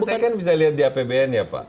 saya kan bisa lihat di apbn ya pak